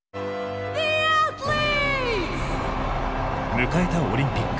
迎えたオリンピック。